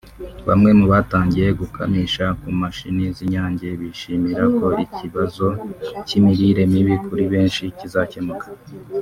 Bamwe mu batangiye gukamisha ku mashini z’Inyange bishimira ko ikibazo cy’imirire mibi kuri benshi kizakemuka